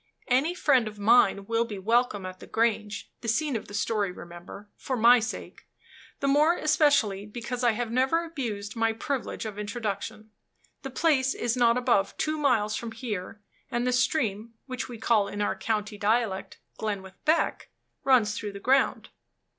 Any friend of mine will be welcome at the Grange (the scene of the story, remember), for my sake the more especially because I have never abused my privilege of introduction. The place is not above two miles from here, and the stream (which we call, in our county dialect, Glenwith Beck) runs through the ground."